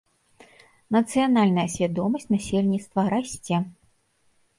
Нацыянальная свядомасць насельніцтва расце.